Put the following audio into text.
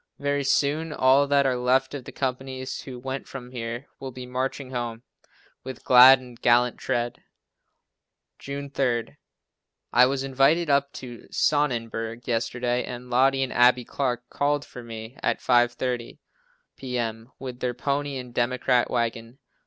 Very soon, all that are left of the companies, who went from here, will be marching home, "with glad and gallant tread." June 3. I was invited up to Sonnenberg yesterday and Lottie and Abbie Clark called for me at 5:30 p.m., with their pony and democrat wagon.